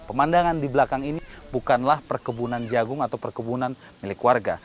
pemandangan di belakang ini bukanlah perkebunan jagung atau perkebunan milik warga